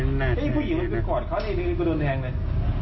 เฮ้ยผู้หญิงมันไปก่อนเขาเดี๋ยวไปโดนแห่งเลย